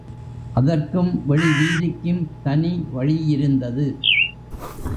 அதற்கும், வெளி வீதிக்கும் தனி வழியிருந்தது.